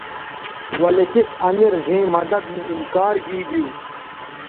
ولے تِس امیر ڙھیئں مدد نو انکار گیگیو